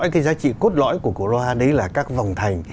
cái giá trị cốt lõi của cổ loa đấy là các vòng thành